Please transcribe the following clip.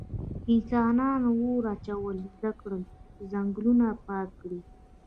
انسانان اور اچول زده کړل چې ځنګلونه پاک کړي.